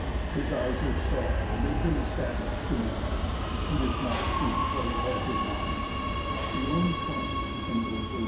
His eyes are sad, and they bring sadness to my heart. He does not speak what he has in mind; he only comes and goes away.